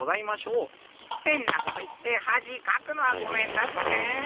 へんなこと言ってはじかくのはごめんだしね。